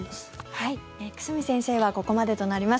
久住先生はここまでとなります。